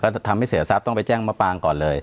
ถ้าทำให้เสียทรัพย์ต้องไปแจ้งมะปางก่อนเลย